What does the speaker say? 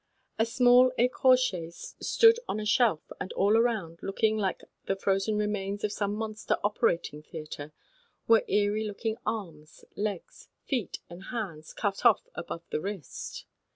A small ecorche stood on a shelf, and all around, looking like the frozen remains of some monster operating theatre, were eerie looking arms, legs, feet, and hands cut off above the wrist.